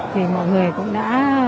thì mọi người cũng đã